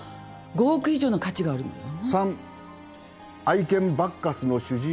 ５億以上の価値があるのよ